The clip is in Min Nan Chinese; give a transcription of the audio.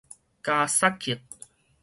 佳薩克